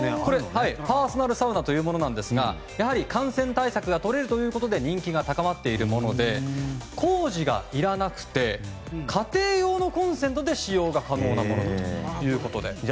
パーソナルサウナというものなんですが感染対策がとれるということで人気が高まっていて工事がいらなくて家庭用のコンセントで使用が可能なものということで。